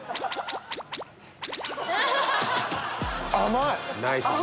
甘い！